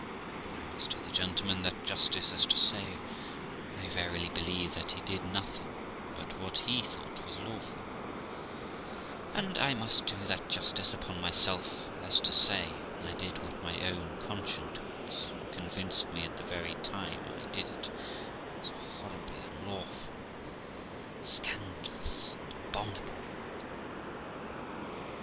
I must do the gentleman that justice as to say I verily believe that he did nothing but what he thought was lawful; and I must do that justice upon myself as to say I did what my own conscience convinced me, at the very time I did it, was horribly unlawful, scandalous, and abominable.